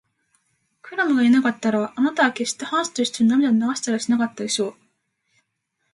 クラムがいなかったら、あなたはけっしてハンスといっしょに涙を流したりしなかったでしょう。